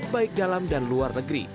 baik dalam dan luar negeri